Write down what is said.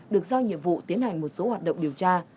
được giao nhiệm vụ tiến hành một số hoạt động điều tra